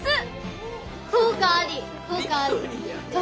効果あり！